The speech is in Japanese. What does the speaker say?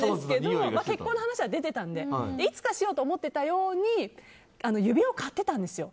結婚の話は出てたのでいつかしようと思ってたようで指輪を買っていたんですよ。